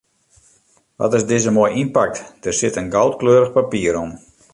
Wat is dizze moai ynpakt, der sit in goudkleurich papier om.